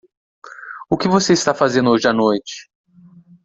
o que você está fazendo hoje à noite?